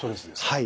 はい。